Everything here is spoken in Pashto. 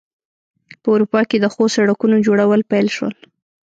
په اروپا کې د ښو سړکونو جوړول پیل شول.